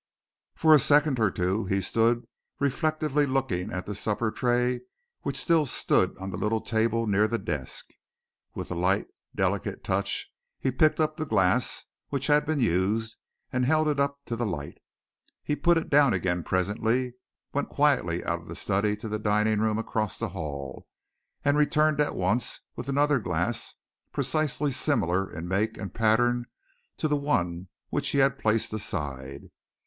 For a second or two he stood reflectively looking at the supper tray which still stood on the little table near the desk. With a light, delicate touch he picked up the glass which had been used and held it up to the light. He put it down again presently, went quietly out of the study to the dining room across the hall, and returned at once with another glass precisely similar in make and pattern to the one which he had placed aside.